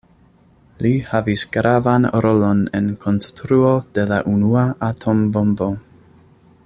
Li havis gravan rolon en konstruo de la unua atombombo.